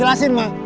al bisa jelasin ma